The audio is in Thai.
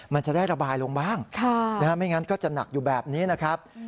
มันจะได้ระบายลงบ้างไม่งั้นก็จะหนักอยู่แบบนี้นะครับ